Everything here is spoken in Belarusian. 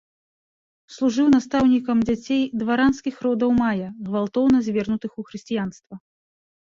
Служыў настаўнікам дзяцей дваранскіх родаў мая, гвалтоўна звернутых у хрысціянства.